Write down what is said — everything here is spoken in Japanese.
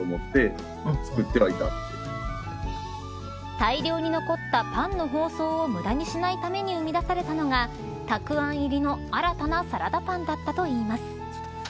大量に残ったパンの包装を無駄にしないために生み出されたのがたくあん入りの新たなサラダパンだったといいます。